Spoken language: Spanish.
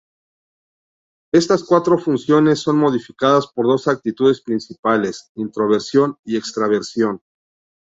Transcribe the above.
Estas cuatro funciones son modificadas por dos actitudes principales: introversión y extraversión.